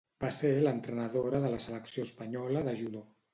Va ser l'entrenadora de la selecció espanyola de judo.